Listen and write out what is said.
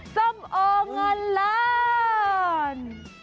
ส้มโอ้งนร้าน